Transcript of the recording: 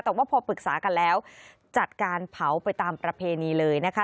แต่ว่าพอปรึกษากันแล้วจัดการเผาไปตามประเพณีเลยนะคะ